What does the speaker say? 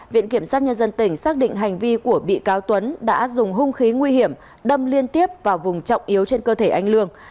viện kiểm sát nhân dân tỉnh xác định hành vi của bị cáo tuấn đã dùng hung khí nguy hiểm đâm liên tiếp vào vùng trọng yếu trên cơ thể anh lương